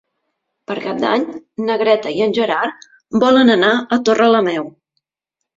Per Cap d'Any na Greta i en Gerard volen anar a Torrelameu.